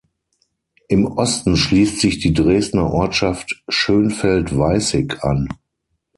Im Osten schließt sich die Dresdner Ortschaft Schönfeld-Weißig an.